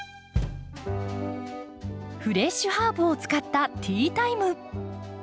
フレッシュハーブを使ったティータイム。